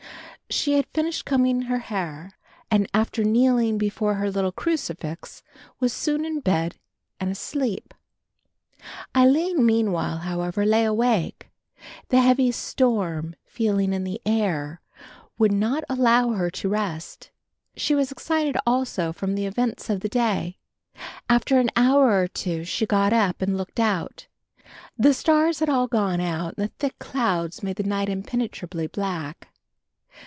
She had finished combing her hair, and after kneeling before her little crucifix was soon in bed and asleep. Aline meanwhile, however, lay awake; the heavy storm feeling in the air would not allow her to rest. She was excited also from the events of the day. After an hour or two she got up and looked out. The stars had all gone and the thick clouds made the night impenetrably black.